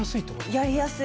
やりやすい。